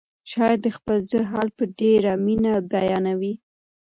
شاعر د خپل زړه حال په ډېره مینه بیانوي.